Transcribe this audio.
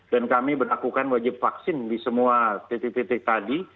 dan kami melakukan wajib vaksin di semua titik titik tadi